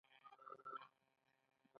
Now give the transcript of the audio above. خلکو نوې تاوخانې تودې کړې وې.